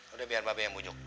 udah biar bape yang bujuk